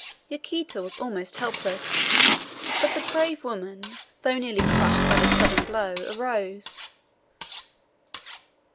Yaquita was almost helpless, but the brave woman, though nearly crushed by this sudden blow, arose.